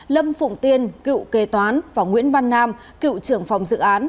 lâm phụng tiên cựu kê toán và nguyễn văn nam cựu trưởng phòng dự án